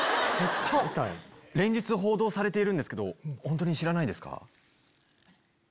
連日報道されているんですけど本当に知らないですか？